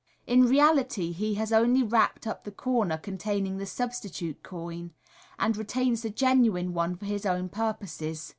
In reality, he has only wrapped up the corner containing the substitute coin, and retains the genuine one for his own purposes.